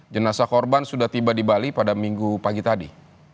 jenazah korban sudah tiba di bali pada minggu pagi tadi